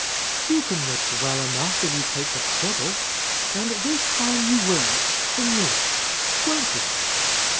"You can mix well enough, if you take the trouble. And this time you will, for me. Won't you